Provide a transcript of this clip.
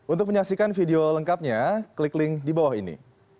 untuk menyaksikan video lengkapnya klik link di bawah ini